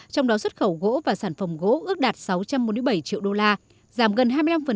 trong đó xuất khẩu gỗ và sản phẩm gỗ ước đạt sáu trăm bốn mươi bảy triệu đô la giảm gần hai mươi năm